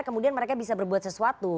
kemudian mereka bisa berbuat sesuatu